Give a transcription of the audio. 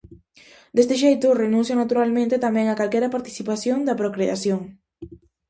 Deste xeito renuncian naturalmente tamén a calquera participación da procreación.